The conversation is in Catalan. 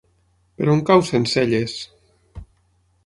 Per on cau Sencelles?